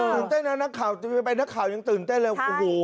ตื่นเต้นนะนักข่าวเป็นนักข่าวยังตื่นเต้นเลย